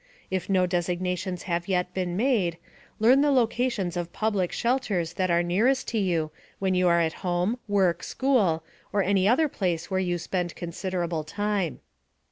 If no designations have yet been made, learn the locations of public shelters that are nearest to you when you are at home, work, school, or any other place where you spend considerable time.